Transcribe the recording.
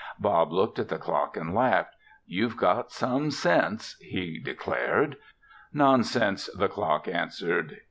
Bob looked at the clock and laughed. "You've got some sense," he declared. "Nonsense!" the clock answered.